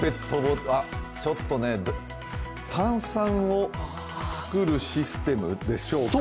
炭酸を作るシステムでしょうか？